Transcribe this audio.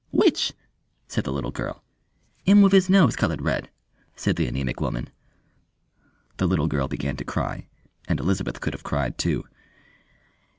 "Which?" said the little girl. "'Im wiv his nose coloured red," said the anæmic woman. The little girl began to cry, and Elizabeth could have cried too.